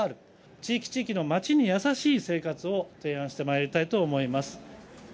地域地域の街に優しい生活を提案してまいりたいと思います。